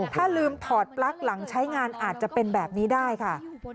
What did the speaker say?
ถ้าลืมถอดปลั๊กหลังใช้งานอาจจะเป็นแบบนี้ได้ค่ะ